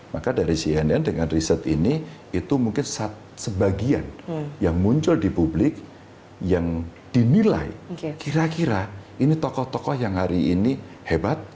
maka dari cnn dengan riset ini itu mungkin sebagian yang muncul di publik yang dinilai kira kira ini tokoh tokoh yang hari ini hebat